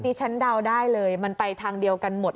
ดิฉันเดาได้เลยมันไปทางเดียวกันหมด